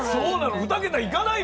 ２桁いかないの？